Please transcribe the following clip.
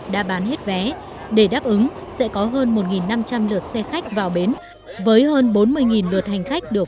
đã bán hết vé để đáp ứng sẽ có hơn một năm trăm linh lượt xe khách vào bến với hơn bốn mươi lượt hành khách được